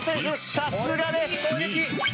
さすがです！